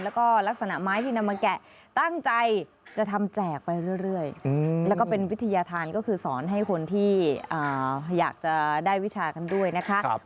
แล้วก็ลักษณะไม้ที่นำมาแกะตั้งใจจะทำแจกไปเรื่อยแล้วก็เป็นวิทยาธารก็คือสอนให้คนที่อยากจะได้วิชากันด้วยนะคะ